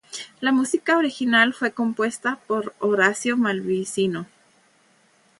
La música original fue compuesta por Horacio Malvicino.